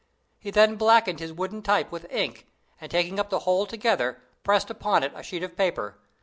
He then blackened his wooden type with ink, and taking up the whole together, pressed upon it a sheet of paper.